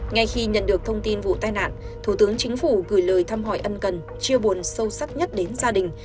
ngay khi nhận được thông tin vụ tai nạn thủ tướng chính phủ gửi lời thăm hỏi ân cần chia buồn sâu sắc nhất đến gia đình